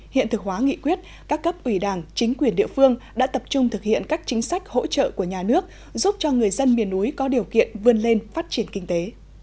hiện thực hóa nghị quyết các cấp ủy đảng chính quyền địa phương đã tập trung thực hiện các chính sách hỗ trợ của nhà nước giúp cho người dân miền núi có điều kiện vươn lên phát triển kinh tế